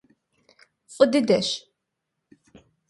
F'ı dıdeş.